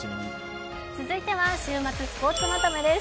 続いては週末スポーツまとめです。